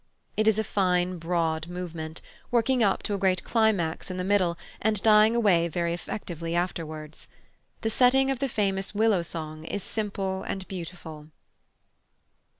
It is a fine broad movement, working up to a great climax in the middle and dying away very effectively afterwards. The setting of the famous "Willow Song" is simple and beautiful.